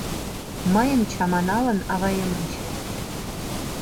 Мыйым чаманалын, аваем ончен.